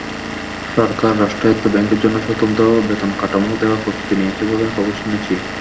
সরকার রাষ্ট্রায়ত্ত ব্যাংকের জন্য স্বতন্ত্র বেতনকাঠামো দেওয়ার প্রস্তুতি নিয়েছে বলে খবরে শুনেছি।